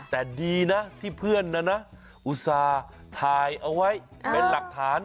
แต่ดีนะที่เพื่อนนะนะอุตส่าห์ถ่ายเอาไว้เป็นหลักฐาน